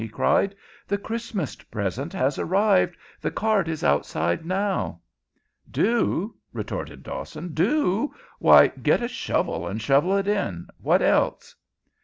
he cried. "The Christmas present has arrived. The cart is outside now." "Do?" retorted Dawson. "Do? Why, get a shovel and shovel it in. What else?"